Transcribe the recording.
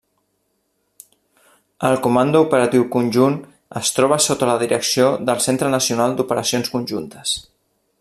El Comando operatiu Conjunt es troba sota la direcció del Centre Nacional d'Operacions Conjuntes.